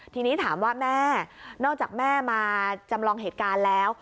ทีนี้ถามว่าแม่นอกจากแม่มาจำลองเหตุการณ์แล้ว